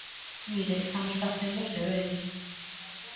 Mire, estamos facendo os deberes.